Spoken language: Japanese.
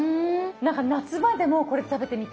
何か夏場でもこれ食べてみたい。